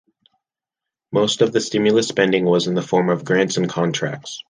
Most of the stimulus spending was in the form of grants and contracts.